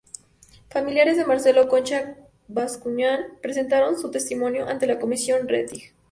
Familiares de Marcelo Concha Bascuñán presentaron su testimonio ante la Comisión Rettig.